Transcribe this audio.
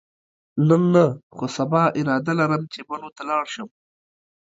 نن نه، خو سبا اراده لرم چې بنو ته لاړ شم.